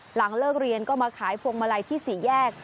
หลังเลิกเรียนก็มาขายพวงมาลัยที่๔แยก